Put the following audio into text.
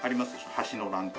橋の欄干。